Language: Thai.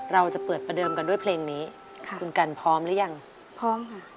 เราจะเปิดประเดิมกันด้วยเพลงนี้ค่ะคุณกันพร้อมหรือยังพร้อมค่ะ